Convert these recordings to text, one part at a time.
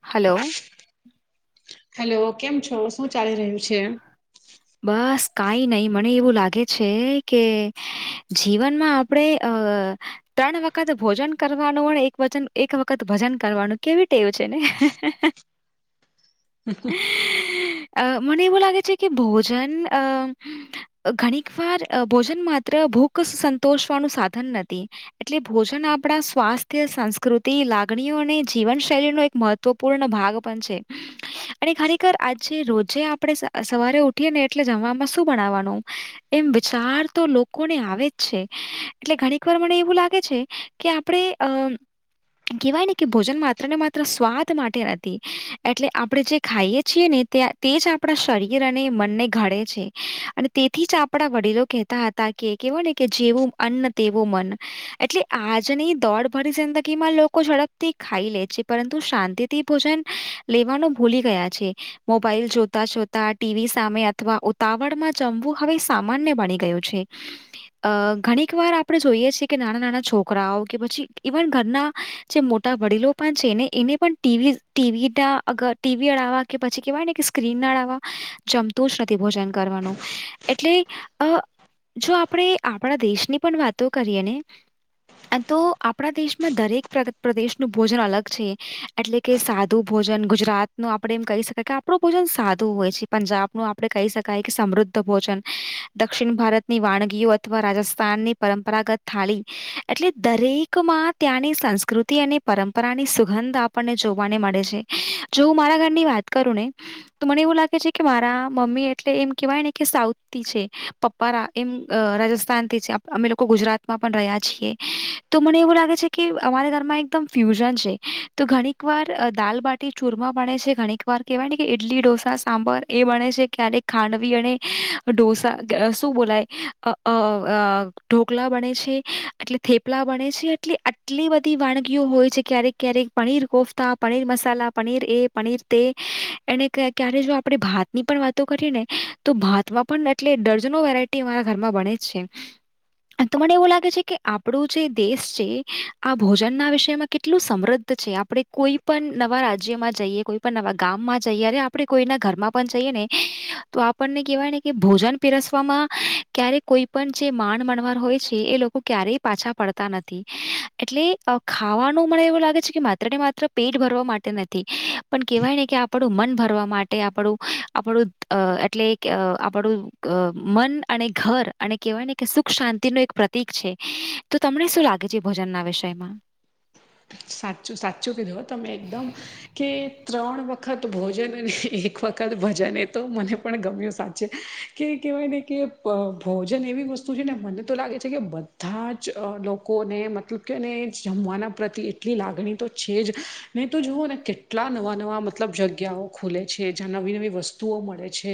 Hello hello કેમ છો? શું ચાલી રહ્યું છે? બસ કાઈ નહી મને એવું લાગે છે કે જીવનમાં આપડે અ ત્રણ વખત ભોજન કરવાનું અને એક વચન એક વખત ભજન કરવાનું કેવી ટેવ છે ને [inaudible] અ મને એવું લાગે છે કે ભોજન અ ઘણીક વાર ભોજન માત્ર ભૂખ સંતોષવાનું સાધન નથી. એટલે ભોજન આપણા સ્વાસ્થ્ય સંસ્કૃતિ લાગણીઓ અને જીવનશૈલી નું એક મહત્વ પૂર્ણ ભાગ પણ છે અને ખરેખર આજે રોજે આપણે સવારે ઉઠીએ ને એટલે જમવામાં શું બનાવાનું? એમ વિચાર તો લોકોને આવે જ છે એટલે ઘણીક વાર મને એવું લાગે છે કે આપણે અમ કહેવાય ને કે ભોજન માત્ર ને માત્ર સ્વાદ માટે નથી એટલે આપણે જે ખાઈએ છીએ ને તે જ આપણા શરીર અને મનને ઘડે છે અને તેથી જ આપણા વડીલો કેતા તા કે કેવુ ને કે જેવું અન્ન તેવું મન એટલે આજની દોડ ભરી જિંદગીમાં લોકો ઝડપથી ખાઈ લે છે પરંતુ શાંતિ ભોજન લેવાનું ભૂલી ગયા છે મોબાઈલ જો તા જોતા ટીવી સામે અથવા ઉતાવળમાં જમવું હવે સામાન્ય બની ગયું છે. અ ઘણીક વાર આપણે જોઈએ છીએ કે નાના નાના છોકરાઓ કે પછી ઈવન ઘરના જે મોટા વડીલો પણ છેને એને પણ ટીવી ટીવી ટીવી અડાવવા કે પછી કેવાય નેકે [unintelligible] જમતું જ નથી ભોજન કરવાનું એટલે અ જો આપણે આપણા દેશની પણ વાતો કરીએ ને તો આપણા દેશમાં દરેક પ્રદેશનું ભોજન અલગ છે. એટલે કે સાદું ભોજન ગુજરાત નું આપડે એમ કહી શકાય કે આપણું ભોજન સાદું હોય છે પંજાબ નું આપણે કહી શકાય કે સમૃદ્ધ ભોજન દક્ષિણ ભારત ની વાનગીઓ અથવા રાજસ્થાનની પરંપરાગત થાળી એટલે દરેક માં ત્યાંની સંસ્કૃતિ અને પરંપરાની સુગંધ આપણને જોવાને મળે છે. જો મારા ઘરની વાત કરું ને તો મને એવું લાગે છે કે મારા મમ્મી એટલે એમ કેવાય ને કે સાઉથથી છે. પપ્પા રા એમ રાજસ્થાનથી છે અમે લોકો ગુજરાતમાં પણ રહ્યા છીએ. તો મને એવું લાગે છે કે અમારા ઘરમાં એકદમ ફ્યુઝન છે તો ઘણીક વાર દાલ બાટી તે ચૂરમાં બને છે ઘણીક વાર કેવાય ને ઈડલી, ઢોસા, સાંભર એ વણે છે ક્યારેક ખાંડવી અને ઢોસા શું અ બોલાય અ આ ઢોકલા વણે છે એટલે થેપલા વણે છે એટલે આ એટલી બધી વાનગીઓ હોય છે ક્યારેક ક્યારેક પનીર કોફતા, પનીર મસાલા, પનીર એ પનીર તે, એને ક્યારે જો આપણે ભાત ની પણ વાતો કરીએ ને તો ભાતમાં પણ એટલે ડર્જનો વેરાયટી ટી અમારા ઘરમાં બને જ છે. તો મને એવું લાગે છે કે આપણું જે દેશ છે આ ભોજન ના વિષયમાં કેટલું સમૃદ્ધ છે આપડણે કોઈ પણ નવા રાજ્યમાં જઈએ કોઈ પણ નવા ગામમાં જઈએ આપણે કોઈના ઘરમાં પણ જઈએ ને તો આપણને કેહેવાય ને કે ભોજન પીરસવામાં ક્યારે કોઈ પણ જે માણ મણવાર હોય છે એ લોકો ક્યારેય પાછા પડતા નથી એટલે અ ખાવાનું મને એવું લાગે છે કે માત્ર ને માત્ર પેટ ભરવા માટે નથી પણ કેહેવાય ને કે આ આપડું મન ભરવા માટ તે આપણું આપણું અ એટલે આપણું અ મન અને ઘર. અને કહેવાય ને કે સુખ શાંતિનુ એક પ્રતિક છે તો તમને શું લાગે છે ભોજનના વિષયમાં. સાચું સાચું કીધું હો તમે એકદમ. કે ત્રણ વખત ભોજન અને એક વખત ભજન એ તો મને પણ ગમ્યું સાચે. કે કહેવાય ને કે પ ભોજન એવી વસ્તુ છે ને મને તો લાગે છે કે બધા જ અ લોકો કોને મતલબ કેને જમવાના પ્રતિ એટલી લાગણી તો છે જ નહી તો જુઓ ને કેટલા નવા-નવા મતલબ જગ્યાઓ ખુલે છે જ્યાં નવી-નવી વસ્તુઓ મળે છે.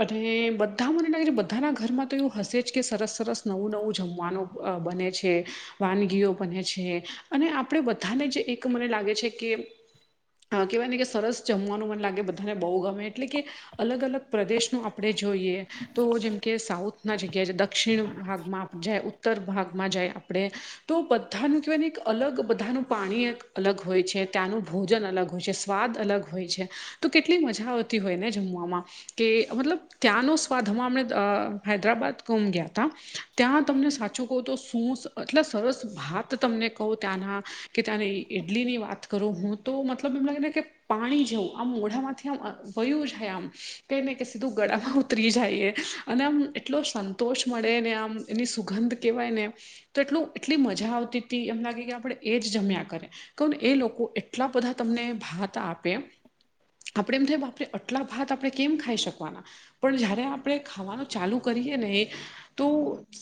અને બધા મને લાગે છે બધાના ઘરમાં તો એવું હશે જ કે સરસ-સરસ નવું નવું જમવાનું. અ બને છે વાનગીઓ બને છે. છે અને આપણે બધાને જ એક મને લાગે છે કે અ કહેવાય ને કે સરસ જમવાનું મને લાગે બધાને બહુ ગમે એટલે કે અલગ-અલગ પ્રદેશનું આપણે જોઈએ તો જેમકે સાઉથ ના જગ્યા છે દક્ષિણ ભાગમાં જાય, ઉત્તર ભાગમાં જાય આપણે તો બધાનું તો એને અલગ બધાનું પાણી એક અલગ હોય છે, ત્યાંનું ભોજન અલગ હોય છે, સ્વાદ અલગ હોય છે. તો કેટલી મજા આવતી હોય ને જમવામાં. કે મતલબ ત્યાંનો સ્વાદ હમાંમણા અ હૈદરાબાદ ગુમ ગયા તા. ત્યાં તમને સાચું કહું તો શું સ એટલા સરસ ભાત તમને કહું ત્યાંના કે ત્યાંની ઇડલી ની વાત કરું હું તો મતલબ એમ લાગે ને કે પાણી જેવું આમ મોઢામાંથી આમ વયું જાય આમ કે ને કે સીધું ગળામાં ઉતરી જાય એ. અને આમ એટલો સંતોષ મળે ને આમ એની સુગંધ કહેવાય ને. તો એટલું એટલી મજા આવતી હતી એમ લાગે કે આપડણે એ જ જમ્યા કરે. કહું ને એ લોકો એટલા બધા તમને ભાત આપે. આપણે એમ થાય બાપરે અટલા ભાત આપણે કેમ ખાઈ શકવાના. પણ જયારે આપણે ખાવાનું ચાલુ કરીએ ને. તો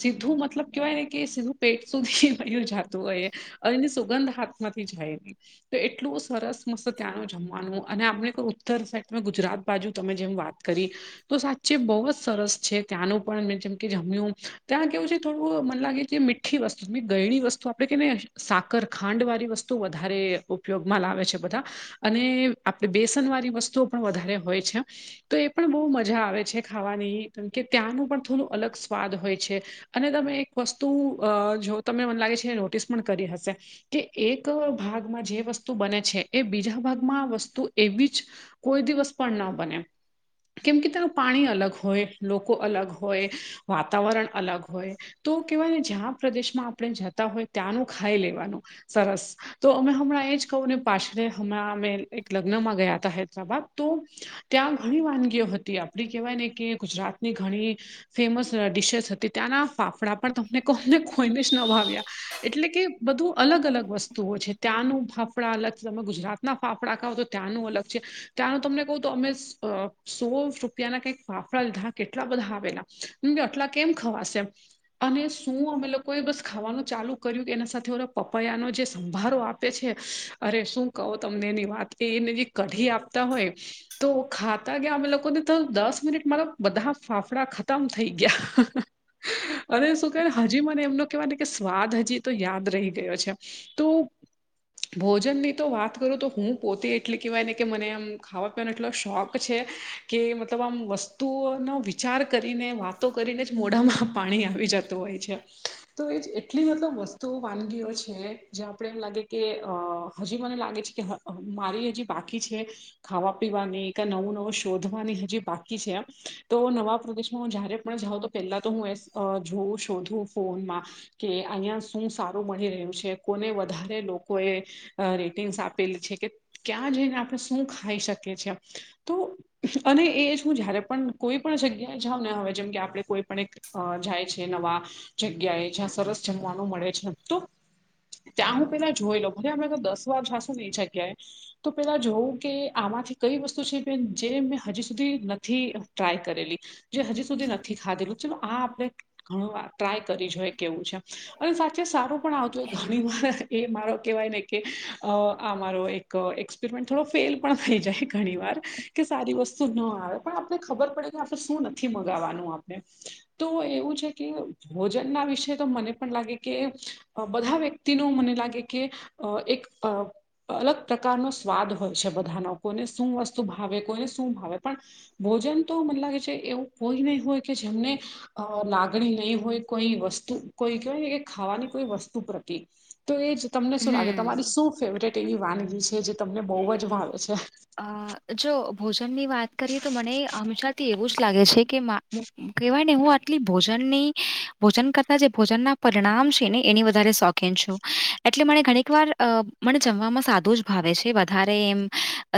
સીધું મતલબ કેવાય ને કે સીધું પેટ સુધી વહ્યું જાત. તો એ એની સુગંધ હાથમાંથી જાય નહી. તો એટલું સરસ મસ્ત ત્યાંનું જમવાનું અને આપણે કોઈ ઉત્તર સાહેબ તમે ગુજરાત બાજુ તમે જેમ વાત કરી. તો સાચે બહુ જ સરસ છે ત્યાંનું પણ મે જેમ કે જમ્યું ત્યાં કેવું છે થોડું મને લાગે છે મીટ મીઠી વસ્તુ ભી ગએડી વસ્તુ તો આપડે કેને સાકર ખાંડ વાળી વસ્તુ વધારે ઉપયોગમાં લાવે છે બધા. અને આપડે બેસન વાળી વસ્તુઓ પણ વધારે હોય છે. તો એ પણ બહુ મજા આવે છે ખાવાની કેમકે ત્યાંનું પણ થોડું અલગ સ્વાદ હોય છે. અને તમે એક વસ્તુ અ જો તમને મને લાગે છે નોટિસ પણ કરી હશે. કે એક ભાગમાં જે વસ્તુ બને છે એ બીજા ભાગમાં આ વસ્તુ એવી જ કોઈ દિવસ પણ ન બને. કેમ કે તેનું પાણી અલગ હોય, લોકો અલગ હોય, વાતાવરણ અલગ હોય. તો કહેવાય ને જે પ્રદેશમાં આપણે જતા હોય ત્યાંનું ખાઈ લેવાનું, સરસ તો અમે હમણાં એ જ કહુંને પાછળ અમે એક લગ્નમાં ગયા હતા હૈદરાબાદ, તો ત્યાં ઘણી વાનગીઓ હતી આપણી કહેવાય ને કે ગુજરાતની ઘણી, ફેમસ ડીશેસ હતી ત્યાંના ફાફડા પણ તમને કોને કોઈને જ ના ભાવ્યા, એટલે કે બધું અલગ અલગ વસ્તુઓ છે ત્યાંનું ફાફડા અલગ તમે ગુજરાત, ના ફાફડા ખાવ તો ત્યાંનું અલગ છે ત્યાંનું તમને કહું તો અમે સો, ના ફાફડા લીધા કેટલા બધા આવેલા કે આટલા કેમ ખવાશે, અને શું અમે લોકો એ બસ ખાવાનું, ચાલુ કર્યું કે એના સાથે પેલા પપૈયાનો જે સંભારો આપે છે અરે શું કહો તમને એની વાત, તે એને જે કઢી આપતા હોય, તો ખાતા ગયા અમે લોકોને તો દસ મિનિટ મારા બધા ફાફડા ખતમ થઈ ગયા, અરે શું કે હજી મને એમનો કેવા કે, સ્વાદ હજી તો યાદ રહી ગયો છે તો, ભોજન ની તો વાત કરું તો હું પોતે એટલે કહેવાય ને કે મને આમ ખાવા, એટલો શોખ છે કે મતલબ આમ વસ્તુઓનો વિચાર કરીને વા, તો કરીને મોઢામાં પાણી આવી જતું હોય છે તો એ, એટલી બધી વસ્તુઓ વાનગીઓ છે જે આપણે એમ લાગે કે હજુ મને લાગે છે કે, મારી હજી બાકી છે. ખાવા પીવાનું કે નવું નવું શોધવાની હજી બાકી છે એમ તો નવા પ્રદેશમાં હું જયારે પણ જાઉ તો, પેલા તો હું એ જોઉં શોધું ફોનમાં, કે અહીંયા શું સારું મળી રહ્યું છે કોને વધારે લોકો, રેટિંગ્સ આપેલી છે કે ક્યાં જઈને આપણે શું ખાઈ શકીએ છીએ તો, અને એ જ હું જયારે પણ કોઈ પણ જગ્યાએ જાઉં ને હવે જેમ કે આપણેે કોઈ પણ એક, અ જાય છે નવા જગ્યાએ જ્યાં સરસ જમવાનું મળે છેમ તો, ત્યાં હું પેલા જોઈ લઉ ભોલે અમે તો દસ વાર જાસું નઈ જગ્યાએ, તો પેલા જોવુંં કે આમાંથી કઈ વસ્તુ છે જે મેં હજી સુધી નથી ટ્રાય કરેલી, જે હજુ સુધી નથી ખાધેલું આ આપણે ઘણું ટ્રાય કરી જોઈ, કેવું છે અને સાચે સારું પણ આવતું હો ઘણી વાર એ મારો કેવાય ને, કે આ મારો એક એક્સપેરિમેન્ટ થોડો ફેલ પણ થઈ જાય ઘણી વાર, કે સારી વસ્તુ ના આવે પણ આપને ખબર પડે કે આપણે શું નથી મંગાવાનું આપણે, તો એવું છે કે ભોજન ના વિશે, તો મને પણ લાગે કે બધા વ્યક્તિનો મને લાગે કે એક, અલગ પ્રકારનો સ્વાદ હોય છે બધાના કોઈને શું વસ્તુ ભાવે કોઈને શું ભાવે પણ, ભોજન તો મને લાગે છે એવું કોઈ નહી હોય કે જેમને, લાગણી નહી હોય કોઈ વસ્તુ, કોઈ કેહેવાયને કે ખાવાની કોઈ વસ્તુ પ્રતિ તો એ તમને શું લાગે, હમ્મ. તમારી શું ફેવરેટ એવી વાનગી છે જે તમને બહુ જ ભાવે છે. જો ભોજનની વાત કરીએ તો મને હંમેશાથી એવું જ લાગે છે કે મા, કહેવાય ને હું આટલી ભોજનની ભોજન કરતા જે ભોજનના પરિણામ છે ને એની વધારે શોખીન છું. એટલે મને ઘણીક વાર મને જમવામાં સાદું જ ભાવે છે વધારે એવું.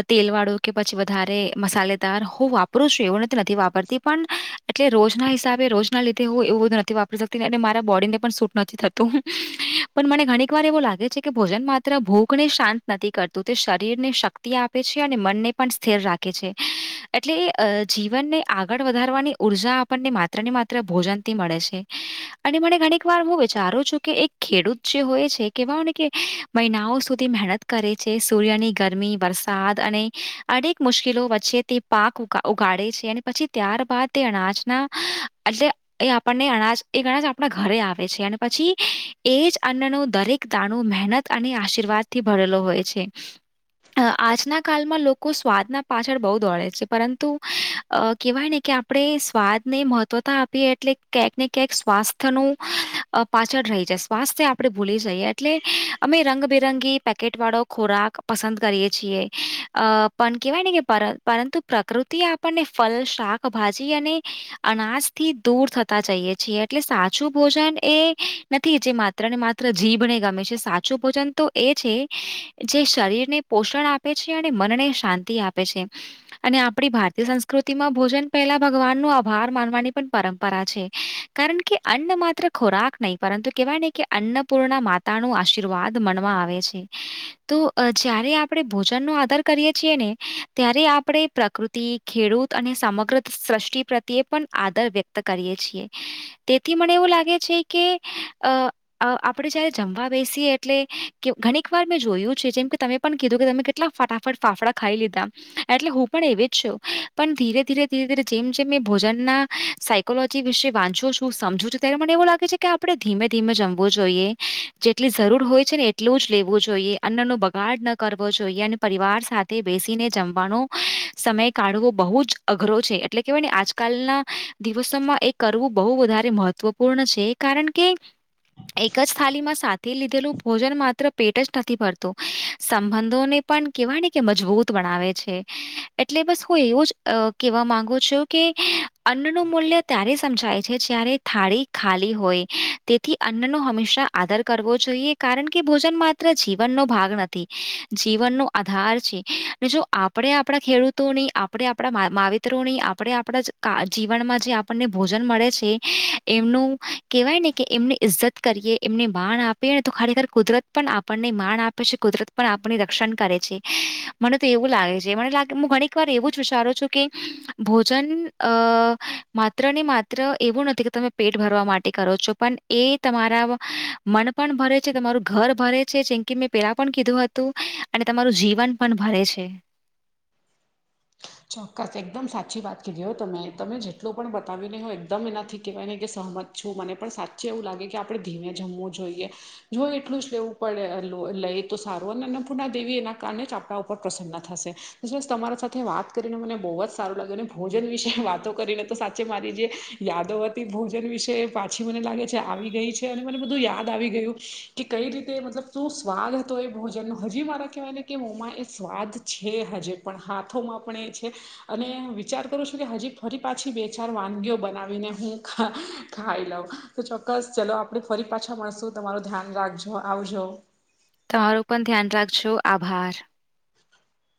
તેલ વાળું કે પછી વધારે મસાલેદાર હું વાપરું છું એવુંને નથી વાપરતી પણ, એટલે રોજ ના હિસાબે રોજ ના લીધે હું એવું બધું નથી વાપરી શકતી અને મારા બોડીને પણ સૂટ નથી થતું. પણ મને ઘણીક વાર એવું લાગે છે કે ભોજન માત્ર ભુખને શાંત નથી કરતું તે શરીર ને શક્તિ આપે. આપે છે અને મનને પણ સ્થિર રાખે છે. એટલે જીવનને આગળ વધારવાની ઊર્જા આપણને માત્ર ને માત્ર ભોજનથી મળે છે. અને મને ઘણીક વાર હું વિચારું છું કે એક ખેડૂત જે હોય છે કેવાય ને કે, મહિનાઓ સુધી મહેનત કરે છે સૂર્યની ગરમી, વરસાદ, દ અને અનેક મુશ્કેલો વચ્ચે તે પાક ઉગાડે છે અને પછી ત્યારબાદ, ત્યાંર બાદ અનાજના એટલે, એ આપણને અનાજ એ અનાજ આપણા ઘરે આવે છે અને પછી એ જ અન્નનો દરેક, દાણું મહેનત અને આશીર્વાદ થી ભરેલો હોય છે. અ આજના કાલમાં લોકો સ્વાદના પાછળ બહુ દોડે છે પરંતુ અ કહેવાય ને કે આપણે સ્વાદને મહત્વતા આપીએ એટલે ક્યાંક ને ક્યાંક સ્વાસ્થ્યનું અ પાછળ રહી જાય સ્વાસ્થ્ય આપણે ભૂલી જઈએ એટલે અમે રંગબેરંગી પેકેટ વાળો ખોરાક પસંદ કરીએ. છીએ અ પણ કેવાય ને કે પર પરંતુ પ્રકૃતિ આપણને ફલ, શાક ભાજી આને. અનાજ થી દૂર થતા જઈએ છીએ એટલે સાચું ભોજન એ નથી જે માત્ર ને માત્ર જીભને ગમે છે સાચું ભોજન તો એ છે જે શરીરને પોષણ આપે છે અને મનળે શાંતિ આપે છે. અને આપણી ભારતીય સંસ્કૃતિ માં ભોજન પહેલા ભગવાન નુ આભાર માનવાની પણ પરંપરા છે. કારણ કે અન્ન માત્ર ખોરાક નહી પરંતુ કેહેવાય નહી કે અન્નપૂર્ણા માતા નુ આશીર્વાદ મનવા આવે છે. તો અ જ્યારે આપ આપણે ભોજન નો આદાર કરીએ છી ને ત્યારે આપણે પ્રકૃતિ, ખેડૂત અને સમગ્ર સ્રૃષ્ટિ પ્રત્યે પણ આદર વ્યક્ત કરીએ છીએ તેથી મને એવું લાગે છે કે અ અ આપણે જયારે જમવા બેસીએ એટલે કે ઘણીક વાર મેં જોયું છે જેમ કે તમે પણ કીધું કે તમે કેટલા ફટાફટ ફાફડા ખાઈ લીધા. એટલે હું પણ એવી જ છું પણ ધીરે ધીરે ધીરે ધીરે જેમ જેમ ભોજન ના સાઇ કોલોજી વિશે વાંચો છું સમજું છું ત્યારે મને એવું લાગે છે કે આપણે ધીમે ધીમે જમવું જોઈએ. જેટલી જરૂર હોય છે ને એટલું જ લેવું જોઈએ અન્ન નો બગાડ ન કરવો જોઈએ અને પરિવાર સાથે બેસીને જમવાનો સમય કાઢવો બહુ જ અઘરો છે એટલે કેહેવાય ને આજકાલના દિવસોમાં એ કરવું બહુ વધારે મહત્વપૂર્ણ છે. કારણ કે એક જ થાલી માં સાથે લીધેલું ભોજન માત્ર પેટ જ નથી ભરતું સંબંધોને પણ કેહેવા કે મજબૂત બનાવે છે એટલે બસ હું એવું જ કેવા માંગુ છુ કે અન્નનું મૂલ્ય ત્યારે સમજાય છે જ્યારે થાળી ખાલી હોય તેથી અન્ન નો હંમેશા આદર કરવો જોઈએ કારણ કે ભોજનમાં ત્ર જીવન નો ભાગ નથી. થી જીવનનો આધાર છે. જો આપણે આપણા ખેડૂતોની આપણે આપણા મા માવિત્રોની આપણે આપણાા કા જીવનમાં જે આપણને ભોજન મળે છે. એમનું કેહેવાય ને કે એમને ઈજ્જત કરીએ એમને માણ આપીએ ને તો ખરેખર કુદરત પણ આપણને માન આપે છે કુદરત પણ આપને રક્ષણ કરે છે મને તો એવું લાગે છે મને લાગે હું ઘણીક વાર એવું જ વિચારું છું કે ભોજન અ માત્ર ને માત્ર એવું નથી કે તમે પેટ ભરવા માટે કરો છો પણ એ તમારા મન પણ ભરે છે, તમારું ઘર ભરે છે, જેમ કી મેં પેલા પણ કીધું હતું અને તમારું જીવન પણ ભરે છે. [inaudible] ચોક્કસ એકદમ સાચી વાત કીધી હોય તમે તમે જેટલું પણ બતાવીયું નહી હો એકદમ એનાથી કહેવાય નહીં કે સહમત છું મને પણ સાચે એવું લાગે કે આપણે ધીમે જમવું જોઈએ. જો એટલું જ લેવું પડે અ લઈએ તો સારું અન્નપૂર્ણા દેવી એના કારણે જ આપડા ઉપર પ્રસન્ન થાશે. એસલીસ તમારા સાથે વાત કરીને મને બહુ જ સારું લાગ્યું અને ભોજન વિશે વાતો કરીને તો સાચે મારી જે યાદોવતી ભોજન વિશે પાછી મને લાગે છે આવી ગઈ છે અને મને બધું યાદ આવી ગયું. કે કઈ રીતે મતલબ શું સ્વાદ હતો એ ભોજનનો હજી મારા કહેવાય ને કે મોમા એ સ્વાદ છે હજે પણ હાથોમાં પણ એ છે. અને વિચાર કરું છું કે હજી ફરી પાછી બે ચાર વાનગીઓ બનાવીને હું ખ ખાઈ લઉં. તો ચોક્કસ ચલો આપણે ફરી પાછા મળશું તમારું ધ્યાન રાખજો આવજો. તમારું પણ ધ્યાન રાખજો આભાર. [inaudible]